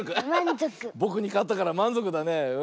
ぼくにかったからまんぞくだね。